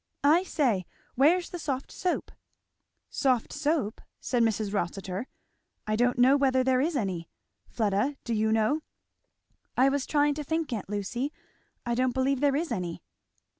"I say, where's the soft soap?" "Soft soap!" said Mrs. Rossitur, "I don't know whether there is any. Fleda, do you know?" "I was trying to think, aunt Lucy. I don't believe there is any."